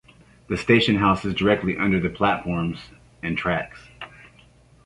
The station house is directly under the platforms and tracks.